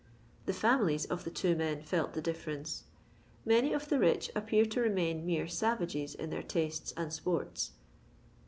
The families of the two men felt the difference. Many of the rich appear to remain mere savages in their tastes and sports.